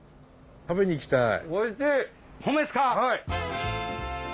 食べに行きたい。